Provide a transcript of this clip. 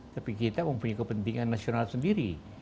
tapi kita mempunyai kepentingan nasional sendiri